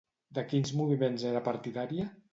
De quins moviments era partidària?